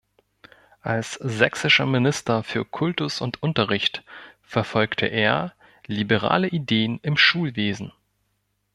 Als Sächsischer Minister für Kultus und Unterricht verfolgte er liberale Ideen im Schulwesen.